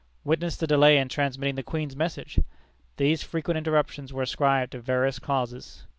Witness the delay in transmitting the Queen's message! These frequent interruptions were ascribed to various causes.